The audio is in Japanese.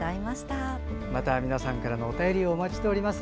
また皆さんからのお便りお待ちしております。